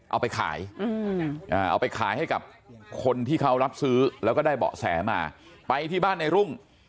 เอาไปขายเอาไปขายให้กับคนที่เขารับซื้อแล้วก็ได้เบาะแสมาไปที่บ้านในรุ่ง